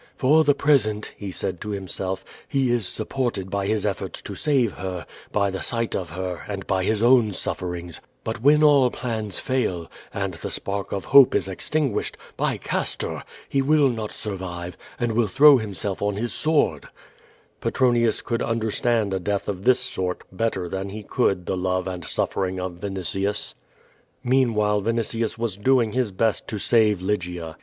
^"For the present/' he said to himself, "hi is supported by his efforts to save her, by the sight of heil and by his own sufferings; but when all plans fail, and tha s jmrk of hope is extinguished, by Castor! he will not survive,V and will tlirow himself on his sword.'' Petronius could un ^N derstand a death of this sort better than he could the love | and suffering of Vrnitius. Meanwhile Vinitius was doing his best to save Lygia.